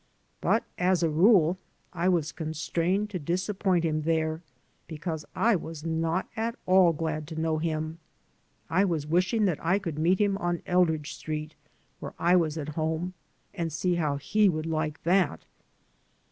But as a rule I was constrained to disappoint him there, because I was not at all glad to know him. I was wishing that I could meet him on Eldridge Street, where I was at home, and see how he would like that.